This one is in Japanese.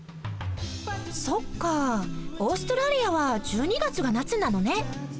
そっかあオーストラリアは１２月が夏なのね！